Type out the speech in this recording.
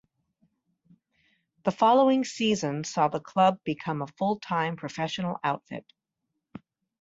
The following season saw the club become a full time professional outfit.